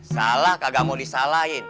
salah kagak mau disalahin